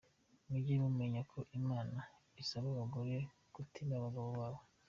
Mujye mumenya ko imana isaba abagore "kutima" abagabo babo.